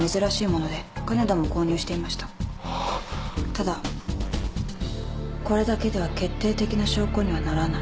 ただこれだけでは決定的な証拠にはならない。